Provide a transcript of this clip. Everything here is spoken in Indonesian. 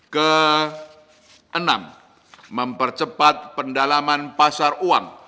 ke enam mempercepat pendalaman pasar uang